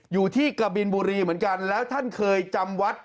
กะบินบุรีเหมือนกันแล้วท่านเคยจำวัด